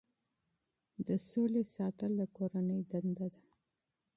د امنیت ساتل د کورنۍ دنده ده.